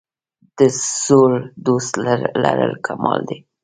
د زوړ دوست لرل کمال دی.